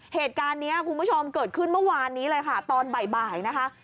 เหตุการณ์นี้คุณผู้ชมเกิดขึ้นเมื่อวานนี้เลยค่ะตอนบ่ายนะคะ